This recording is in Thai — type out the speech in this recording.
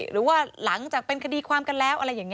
หรือว่าหลังจากเป็นคดีความกันแล้ว